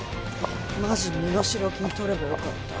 マジ身代金取ればよかった。